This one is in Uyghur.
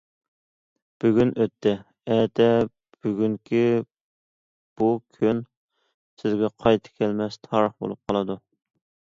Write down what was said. بۈگۈن ئۆتتى، ئەتە بۈگۈنكى« بۇ كۈن» سىزگە قايتا كەلمەس تارىخ بولۇپ قالىدۇ.